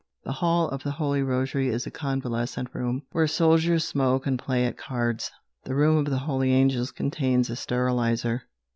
The Hall of the Holy Rosary is a convalescent room, where soldiers smoke and play at cards. The Room of the Holy Angels contains a steriliser.